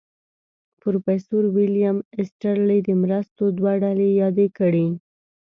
پروفیسر ویلیم ایسټرلي د مرستو دوه ډلې یادې کړې.